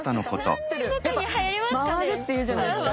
やっぱ回るっていうじゃないですか！